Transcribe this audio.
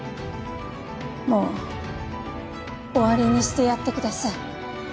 もう終わりにしてやってください。